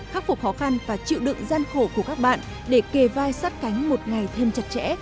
khắc phục khó khăn và chịu đựng gian khổ của các bạn để kề vai sát cánh một ngày thêm chặt chẽ